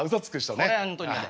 これは本当に嫌だ。